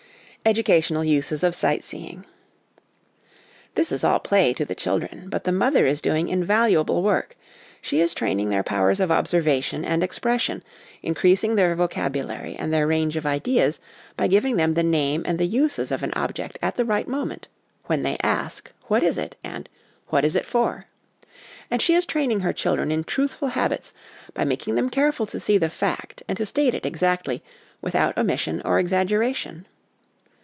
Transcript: Educational Uses of Sight seeing.' This is all play to the children, but the mother is doing invalu able work; she is training iheir powers of observation OUT OF DOOR LIFE FOR THE CHILDREN 47 and expression, increasing their vocabulary and their range of ideas by giving them the name and the uses of an object at the right moment, when they ask, 'What is it?' and 'What is it for?' And she is training her children in truthful habits, by making them careful to see the fact and to state it exactly, without omission or exaggeration.